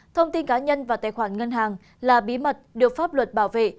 thông tin cá nhân và tài khoản ngân hàng là bí mật được pháp luật bảo vệ